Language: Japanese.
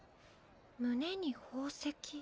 胸に宝石。